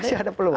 masih ada peluang